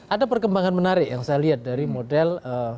ada perkembangan menarik yang saya lihat dari model